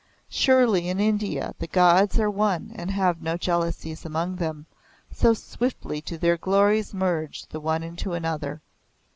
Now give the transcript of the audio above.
Surely in India, the gods are one and have no jealousies among them so swiftly do their glories merge the one into the other.